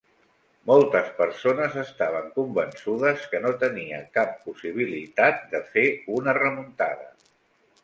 Moltes persones estaven convençudes que no tenia cap possibilitat de fer una remuntada.